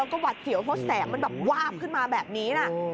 แล้วก็หวัดเสียวเพราะแสงมันแบบวาบขึ้นมาแบบนี้นะ